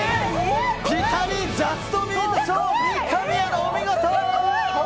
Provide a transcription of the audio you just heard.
ピタリ、ジャストミート三上アナ、お見事！